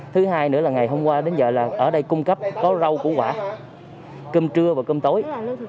thứ hai nữa là ngày hôm qua đến giờ là ở đây cung cấp có rau củ quả cơm trưa và cơm tối